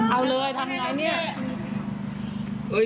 เอาเลยทำไงเนี่ย